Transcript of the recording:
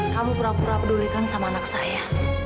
kamu berapa apa pedulikan sama anak saya